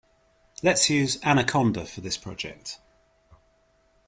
Let's use Anaconda for this project.